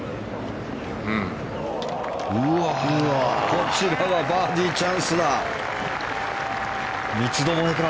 こちらはバーディーチャンスだ。